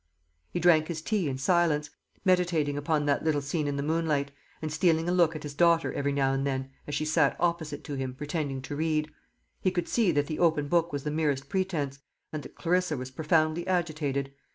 He drank his tea in silence, meditating upon that little scene in the moonlight, and stealing a look at his daughter every now and then, as she sat opposite to him pretending to read. He could see that the open book was the merest pretence, and that Clarissa was profoundly agitated.